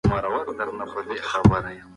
په هوږه کې مګنيزيم په معتدله کچه موندل کېږي.